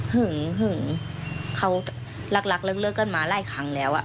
หึ่งหึ่งเขารักเลิกกันมาไล่ขังแล้ว